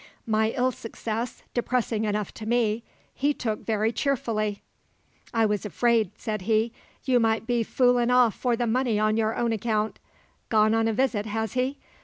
My ill success, depressing enough to me, he took very cheerfully. "I was afraid," said he, "you might be foolin' off for the money on your own account. Gone on a visit, has he?